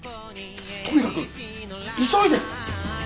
とにかく急いでね。